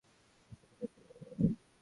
মা ছুটে পাশের ঘরে গেলেন।